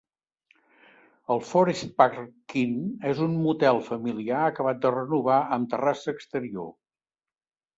El Forest Park Inn és un motel familiar acabat de renovar amb terrassa exterior.